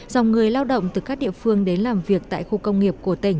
dòng người lao động từ các địa phương đến làm việc tại khu công nghiệp của tỉnh